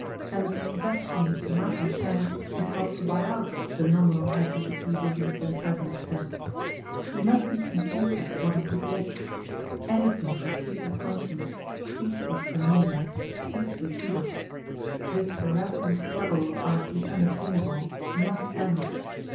And the transaction in Sumatra shares would help to buy out the nominal head of the tea business to a certain extent. He must be content with what he could get. Anything for peace of conscience, peace with Cornelia, peace with Hubert. This harassing struggle after the unattainable must end.